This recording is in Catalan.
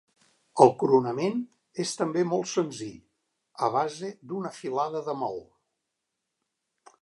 El coronament és també molt senzill, a base d'una filada de maó.